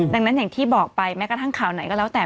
ดังนั้นอย่างที่บอกไปแม้กระทั่งข่าวไหนก็แล้วแต่